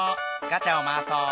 ガチャをまわそう。